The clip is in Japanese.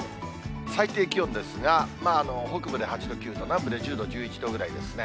最低気温ですが、北部で８度、９度、南部で１０度、１１度ぐらいですね。